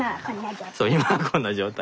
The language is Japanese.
今はこんな状態。